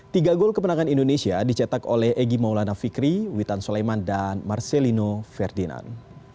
tiga gol kemenangan indonesia dicetak oleh egy maulana fikri witan sulaiman dan marcelino ferdinand